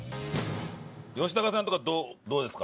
吉高さんとかどうですか？